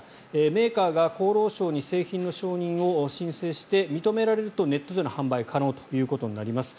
メーカーが厚労省に商品の販売を申請して、認められるとネットでの販売が可能となります。